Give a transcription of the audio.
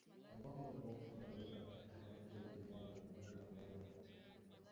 Kwa ngombe wote walio katika hatari zaidi idadi ya vifo inaweza kufika